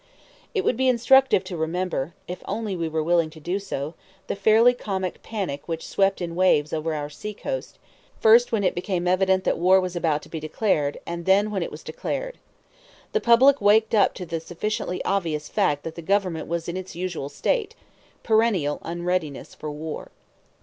It would be instructive to remember, if only we were willing to do so, the fairly comic panic which swept in waves over our seacoast, first when it became evident that war was about to be declared, and then when it was declared. The public waked up to the sufficiently obvious fact that the Government was in its usual state perennial unreadiness for war.